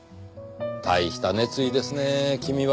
大した熱意ですねぇ君は。